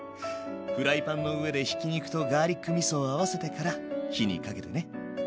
フライパンの上でひき肉とガーリックみそを合わせてから火にかけてね。